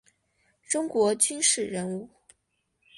中国军事人物。